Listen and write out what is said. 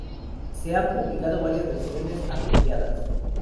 Se han publicado varias versiones abreviadas.